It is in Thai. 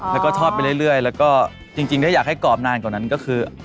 แล้วก็ทอดไปเรื่อยแล้วก็จริงถ้าอยากให้กรอบนานกว่านั้นก็คือ